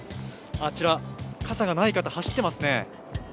あちら、傘がない方、走ってますね。